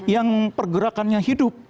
yang pergerakannya hidup